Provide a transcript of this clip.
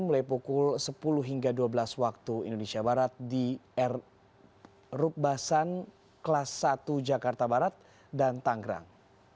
mulai pukul sepuluh hingga dua belas waktu indonesia barat di rukbasan kelas satu jakarta barat dan tanggerang